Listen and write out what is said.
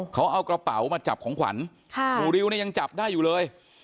เขาเอากระเป๋ามาจับของขวัญหมู่ริวเนี่ยยังจับได้อยู่เลย